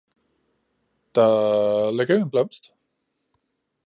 Der ligger jo en blomst